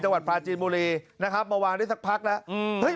จังหวัดปลาจีนบุรีนะครับมาวางได้สักพักแล้วอืมเฮ้ย